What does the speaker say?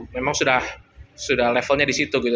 memang sudah levelnya disitu gitu